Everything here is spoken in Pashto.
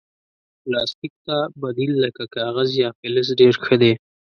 پلاستيک ته بدیل لکه کاغذ یا فلز ډېر ښه دی.